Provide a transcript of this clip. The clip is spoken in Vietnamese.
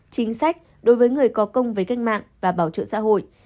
chính sách đối với người có công với cách mạng và bảo trợ xã hội